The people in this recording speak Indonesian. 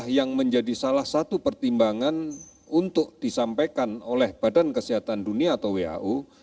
yang menjadi salah satu pertimbangan untuk disampaikan oleh badan kesehatan dunia atau wau